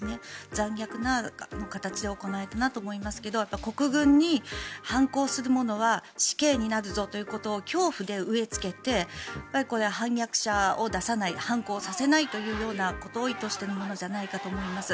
残虐な形で行われたなと思いますが国軍に反抗するものは死刑になるぞということを恐怖で植えつけて反逆者を出さない反抗させないというようなことを意図しているものじゃないかと思います。